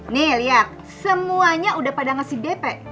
nih lihat semuanya udah pada ngasih dp